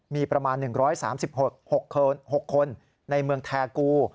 มีประมาณ๑๓๖คนในเมืองแทกู